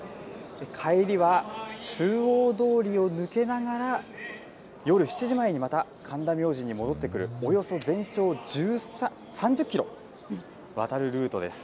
帰りは中央通りを抜けながら、夜７時前にまた神田明神に戻ってくる、およそ全長３０キロにわたるルートです。